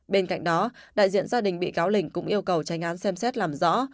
bên cạnh đó đại diện gia đình bị cáo linh cũng yêu cầu tranh án xem xét làm rõ